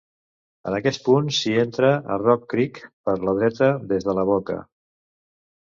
En aquest punt, s'hi entra a Rock Creek per la dreta, des de la boca.